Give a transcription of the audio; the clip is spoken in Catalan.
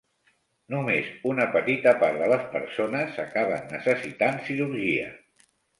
Només una petita part de les persones acaben necessitant cirurgia.